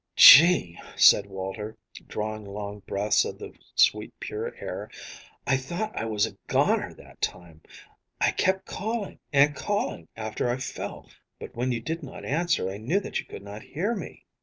"Gee!" said Walter, drawing long breaths of the sweet, pure air, "I thought I was a goner that time. I kept calling and calling after I fell, but when you did not answer I knew that you could not hear me.